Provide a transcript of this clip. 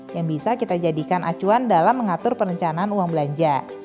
yang bisa kita jadikan acuan dalam mengatur perencanaan uang belanja